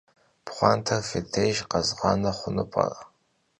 Pxhuanter fi dêjj khezğane xhunu p'ere?